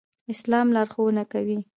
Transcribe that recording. اسلام لارښوونه کوي